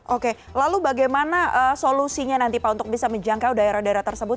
oke lalu bagaimana solusinya nanti pak untuk bisa menjangkau daerah daerah tersebut